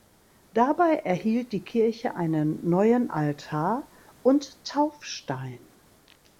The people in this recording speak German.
Dabei erhielt die Kirche einen neuen Altar und Taufstein.